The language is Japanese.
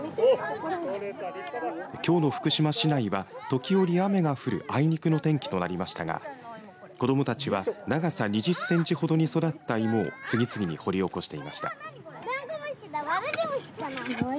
きょうの福島市内は時折雨が降るあいにくの天気となりましたが子どもたちは長さ２０センチほどに育った芋を次々に掘り起こしていました。